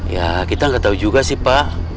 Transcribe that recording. ya kita nggak tahu juga sih pak